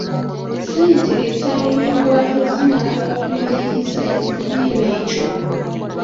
Ssente ezaweebwayo zimala okumaliriza ekizimbe ekyo.